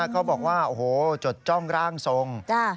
เขาบอกว่าโอ้โหจดจ้องร่างทรง